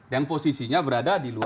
yang posisinya berada di luar